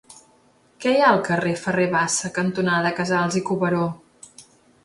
Què hi ha al carrer Ferrer Bassa cantonada Casals i Cuberó?